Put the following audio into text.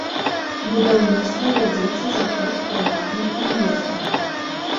Будаўніцтва вядзецца за кошт прыватных інвестараў.